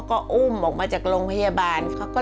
รายการต่อไปนี้เป็นรายการทั่วไปสามารถรับชมได้ทุกวัย